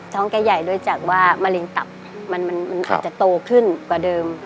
ท้องแก่ใหญ่โดยจากว่ามะลิงตับมันมันมันอาจจะโตขึ้นกว่าเดิม